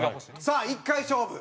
さあ１回勝負！